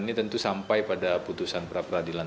ini tentu sampai pada putusan pra peradilan